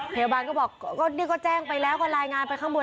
พยาบาลก็บอกก็นี่ก็แจ้งไปแล้วก็รายงานไปข้างบน